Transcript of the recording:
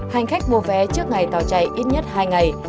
hành khách mua vé trước ngày tàu chạy ít nhất hai ngày